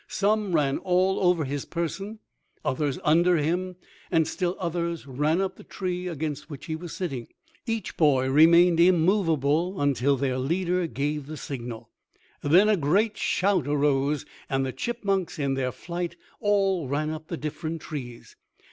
Some ran all over his person, others under him and still others ran up the tree against which he was sitting. Each boy remained immovable until their leader gave the signal; then a great shout arose, and the chipmunks in their flight all ran up the different trees.